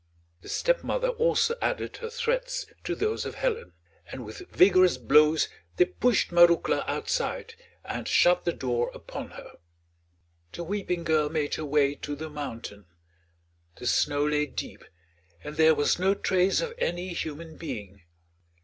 The stepmother also added her threats to those of Helen, and with vigorous blows they pushed Marouckla outside and shut the door upon her. The weeping girl made her way to the mountain. The snow lay deep, and there was no trace of any human being.